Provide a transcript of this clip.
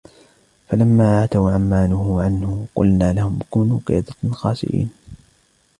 فلما عتوا عن ما نهوا عنه قلنا لهم كونوا قردة خاسئين